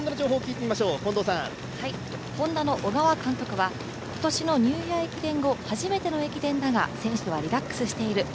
Ｈｏｎｄａの監督は今年のニューイヤー駅伝は今年のニューイヤー駅伝後初めての駅伝だが選手はリラックスしている。